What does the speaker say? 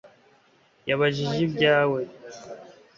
Yabajije ibyawe